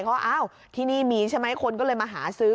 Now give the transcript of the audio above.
ว่าอ้าวที่นี่มีใช่ไหมคนก็เลยมาหาซื้อ